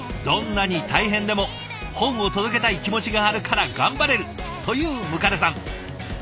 どんなに大変でも本を届けたい気持ちがあるから頑張れるという百足さん。